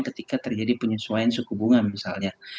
ketika terjadi penyesuaian suku bunga misalnya